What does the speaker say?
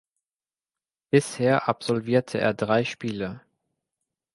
Bisher absolvierte er drei Spiele.